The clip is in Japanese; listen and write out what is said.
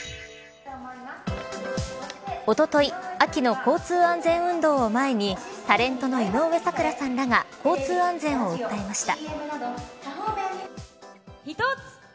おととい秋の交通安全運動を前にタレントの井上咲楽さんらが交通安全を訴えました。